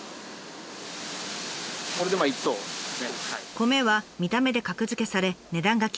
米は見た目で格付けされ値段が決まります。